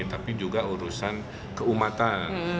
tapi juga urusan keumatan